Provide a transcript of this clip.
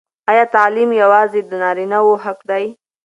ایا تعلیم یوازې د نارینه وو حق دی؟